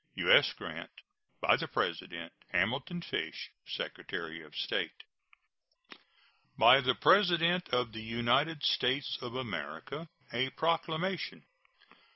U.S. GRANT. By the President: HAMILTON FISH, Secretary of State. BY THE PRESIDENT OF THE UNITED STATES OF AMERICA. A PROCLAMATION.